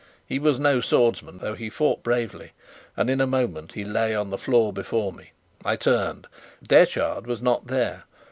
He was no swordsman, though he fought bravely, and in a moment he lay on the floor before me. I turned Detchard was not there.